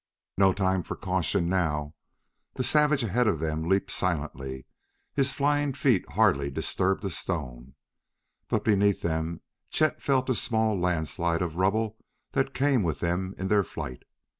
No time for caution now. The savage ahead of them leaped silently; his flying feet hardly disturbed a stone. But beneath them, Chet felt a small landslide of rubble that came with them in their flight.